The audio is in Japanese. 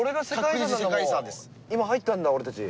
今入ったんだ俺たち。